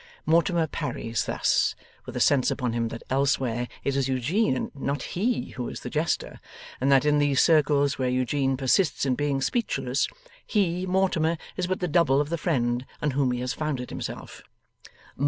Mortimer parries thus, with a sense upon him that elsewhere it is Eugene and not he who is the jester, and that in these circles where Eugene persists in being speechless, he, Mortimer, is but the double of the friend on whom he has founded himself.